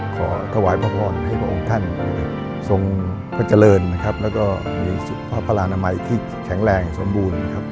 ขอถวายพระควรให้พระองค์ท่านทรงพระเจริญและมีพระพลาณมัยที่แข็งแรงสมบูรณ์